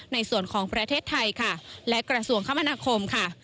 ในส่วนของประเทศไทยค่ะและกระทรวงคมนาคมค่ะ